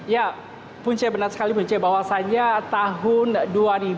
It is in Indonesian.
ya punce benar sekali punce bahwasannya tahun dua ribu sembilan belas mendatang indonesia akan bercana